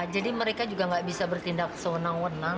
jadi mereka juga nggak bisa bertindak sewenang wenang